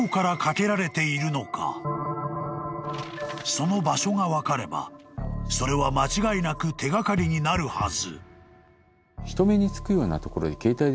［その場所が分かればそれは間違いなく手掛かりになるはず］